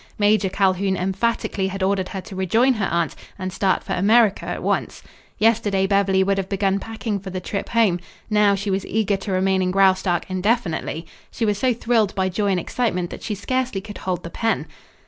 Major Calhoun emphatically had ordered her to rejoin her aunt and start for America at once. Yesterday Beverly would have begun packing for the trip home. Now she was eager to remain in Graustark indefinitely. She was so thrilled by joy and excitement that she scarcely could hold the pen.